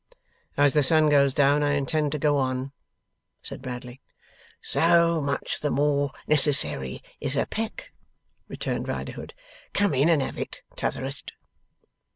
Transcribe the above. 'As the sun goes down, I intend to go on,' said Bradley. 'So much the more necessairy is a Peck,' returned Riderhood. 'Come in and have it, T'otherest.